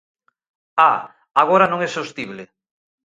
¡Ah!, agora non é sostible.